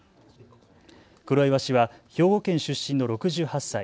黒岩氏は兵庫県出身の６８歳。